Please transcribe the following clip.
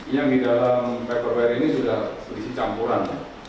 yang di dalam paperware ini sudah berisi campuran